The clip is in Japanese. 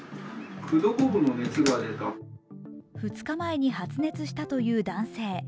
２日前に発熱したという男性。